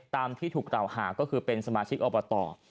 ตามที่ถูกกล่าวหาก็คือเป็นสมาชิกอบต